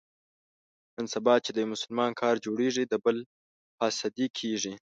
نن سبا چې د یو مسلمان کار جوړېږي، د بل حسدي کېږي.